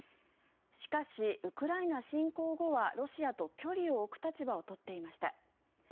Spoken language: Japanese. しかし、ウクライナ侵攻後はロシアと距離を置く立場を取っていました。